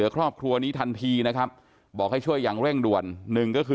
ก็ไม่มีบรรทีอยู่